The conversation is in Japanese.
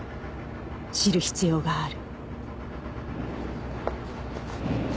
知る必要がある